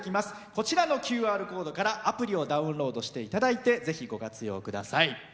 こちらのＱＲコードからアプリをダウンロードしていただいてぜひ、ご活用ください。